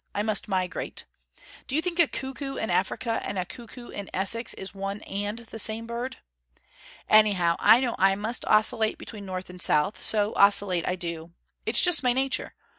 I must migrate. Do you think a cuckoo in Africa and a cuckoo in Essex is one AND the same bird? Anyhow, I know I must oscillate between north and south, so oscillate I do. It's just my nature.